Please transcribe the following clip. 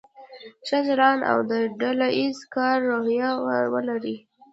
ښه چلند او د ډله ایز کار روحیه ولرو.